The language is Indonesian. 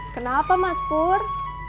kenapa mas pur